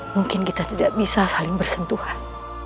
mungkin kita tidak bisa saling bersentuhan